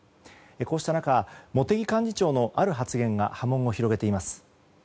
こうした中、茂木幹事長のある発言が波紋を広げています。